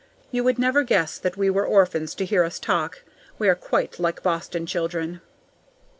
You would never guess that we were orphans to hear us talk; we are quite like Boston children.